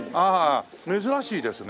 珍しいですね。